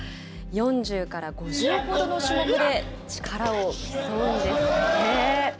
４０から５０ほどの種目で力を競うんです。